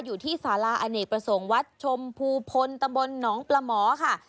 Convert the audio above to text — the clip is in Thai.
อยู่ที่สาราอเนกประสงค์วัดชมภูพลตำบลหนองปลาหมอค่ะ